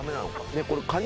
カニ